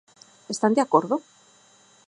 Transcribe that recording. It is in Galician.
¿Están de acordo?